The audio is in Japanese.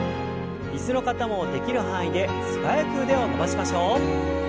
椅子の方もできる範囲で素早く腕を伸ばしましょう。